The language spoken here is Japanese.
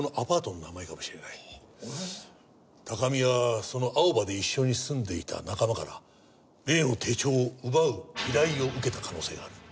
高見はそのアオバで一緒に住んでいた仲間から例の手帳を奪う依頼を受けた可能性がある。